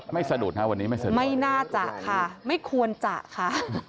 สะดุดค่ะวันนี้ไม่สะดุดไม่น่าจะค่ะไม่ควรจะค่ะ